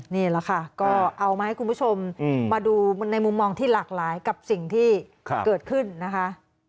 นี่แหละค่ะก็เอามาให้คุณผู้ชมมาดูในมุมมองที่หลากหลายกับสิ่งที่เกิดขึ้นนะคะ